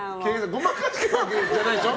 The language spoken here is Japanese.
ごまかしてるわけじゃないでしょ。